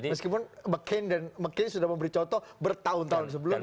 meskipun mccain sudah memberi contoh bertahun tahun sebelumnya